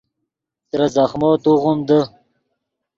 ترے زخمو توغیم دے